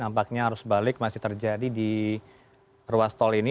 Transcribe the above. nampaknya arus balik masih terjadi di ruas tol ini